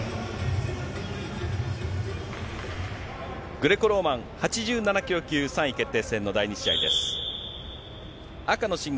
グレコローマン８７キロ級３位決定戦の第２試合です。